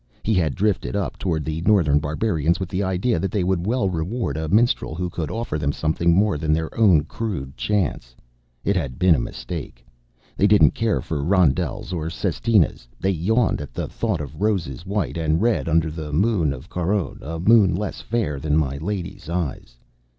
He had drifted up toward the northern barbarians with the idea that they would well reward a minstrel who could offer them something more than their own crude chants. It had been a mistake; they didn't care for roundels or sestinas, they yawned at the thought of roses white and red under the moon of Caronne, a moon less fair than my lady's eyes.